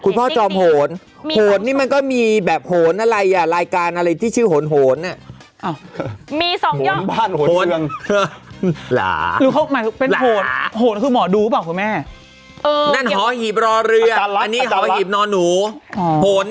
คุณพ่อจอมโหดแล้วก็ต่อด้วยผู้ประกาศ